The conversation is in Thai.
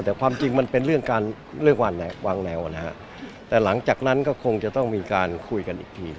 แต่ความจริงมันเป็นเรื่องการเรื่องวางแนวนะฮะแต่หลังจากนั้นก็คงจะต้องมีการคุยกันอีกที